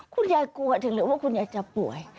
คุณยายกลัวถึงเหลือว่าคุณยายจะป่วย